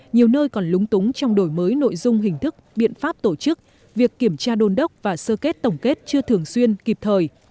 nhiều nơi còn lúng túng trong đổi mới nội dung hình thức biện pháp tổ chức việc kiểm tra đôn đốc và sơ kết tổng kết chưa thường xuyên kịp thời